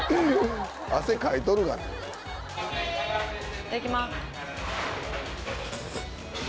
いただきます。